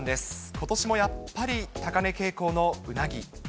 ことしもやっぱり高値傾向のうなぎ。